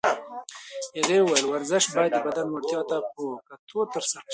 هغې وویل ورزش باید د بدن وړتیاوو ته په کتو ترسره شي.